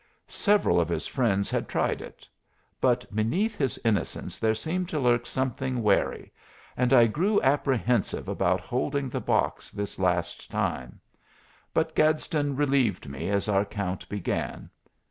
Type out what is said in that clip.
Several of his friends had tried it. But beneath his innocence there seemed to lurk something wary, and I grew apprehensive about holding the box this last time. But Gadsden relieved me as our count began.